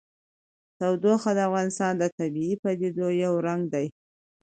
تودوخه د افغانستان د طبیعي پدیدو یو رنګ دی.